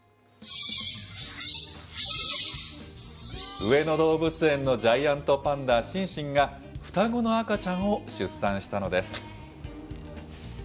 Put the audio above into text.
上野動物園のジャイアントパンダ、シンシンが、双子の赤ちゃんを出産したのです。